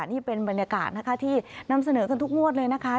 นี่เป็นบรรยากาศนะคะที่นำเสนอกันทุกงวดเลยนะคะ